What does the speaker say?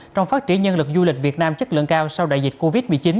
trong phát triển nhân lực du lịch việt nam chất lượng cao sau đại dịch covid một mươi chín